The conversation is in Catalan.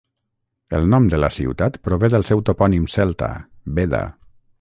El nom de la ciutat prové del seu topònim celta, "Beda".